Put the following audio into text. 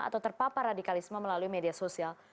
atau terpapar radikalisme melalui media sosial